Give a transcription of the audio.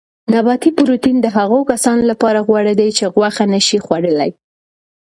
نباتي پروټین د هغو کسانو لپاره غوره دی چې غوښه نه شي خوړلای.